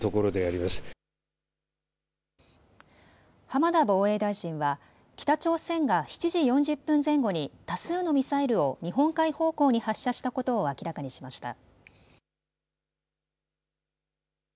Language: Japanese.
浜田防衛大臣は北朝鮮が７時４０分前後に多数のミサイルを日本海方面に発射したことを明らかにしました。